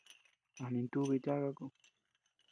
A nintubii tiaka kú.